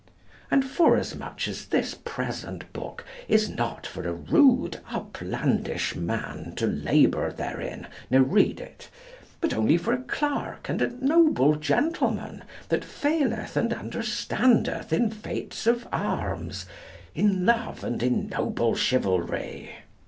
And forasmuch as this present book is not for a rude uplandish man to labour therein ne read it, but only for a clerk and a noble gentleman that feeleth and understandeth in feats of arms, in love and in noble chivalry.